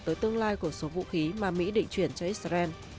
tới tương lai của số vũ khí mà mỹ định chuyển cho israel